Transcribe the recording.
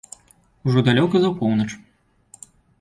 Ужо далёка за поўнач.